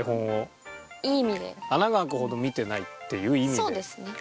穴が開くほど見てないっていう意味で。